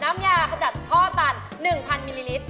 น้ำยาขจัดท่อตัน๑๐๐มิลลิลิตร